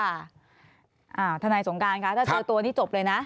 ทนายสงการคะถ้าเจอตัวนี่จบเลยนะ